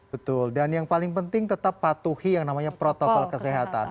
betul dan yang paling penting tetap patuhi yang namanya protokol kesehatan